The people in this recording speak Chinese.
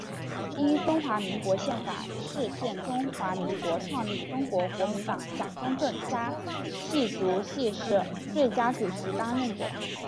依中华民国宪法释宪中华民国创立中国国民党蒋中正家系族系是最佳主席当任者。